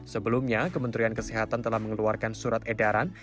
sebelumnya kementerian kesehatan telah mengeluarkan surat edaran